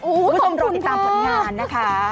คุณผู้ชมรอติดตามผลงานนะคะ